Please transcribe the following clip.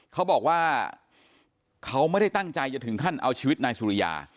เขาบอกว่าเขาไม่ได้ตั้งใจจะถึงขั้นเอาชีวิตนายสุริยา